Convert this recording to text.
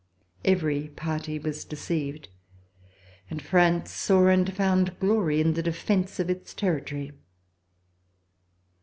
Every party was deceived, and France saw and found glory in the defence of its territory.